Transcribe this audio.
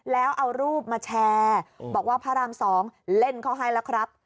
แล้วเอารูปมาแชร์บอกว่าพระราม๒เล่นเขาให้แล้วครับ